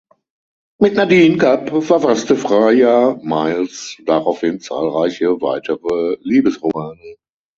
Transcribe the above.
Mit Nadine Kapp verfasste Freya Miles daraufhin zahlreiche weitere Liebesromane.